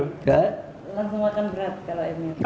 langsung makan berat kalau emir